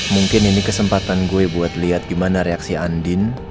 mungkin ini kesempatan gue buat lihat gimana reaksi andin